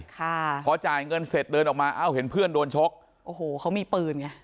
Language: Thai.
ค่ะพอจ่ายเงินเสร็จเดินออกมาเอ้าเห็นเพื่อนโดนชกโอ้โหเขามีปืนไง